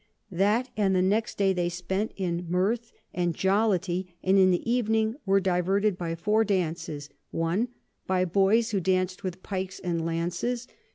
That and the next day they spent in Mirth and Jollity, and in the Evening were diverted by four Dances; 1. By Boys, who danc'd with Pikes and Lances.